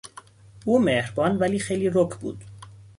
او مهربان ولی خیلی رک بود.